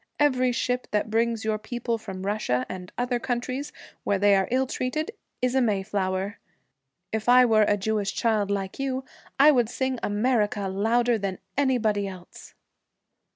Every ship that brings your people from Russia and other countries where they are ill treated is a Mayflower. If I were a Jewish child like you, I would sing "America" louder than anybody else!'